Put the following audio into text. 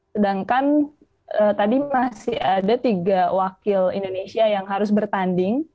sedangkan tadi masih ada tiga wakil indonesia yang harus bertanding